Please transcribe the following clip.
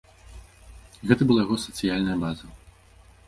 Гэта была яго сацыяльная база.